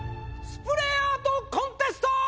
スプレーアートコンテスト！